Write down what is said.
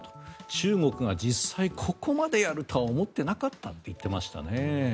中国が実際、ここまでやるとは思ってなかったと言っていましたね。